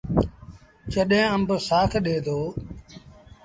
جڏهيݩ آݩب سآک ڏي دو۔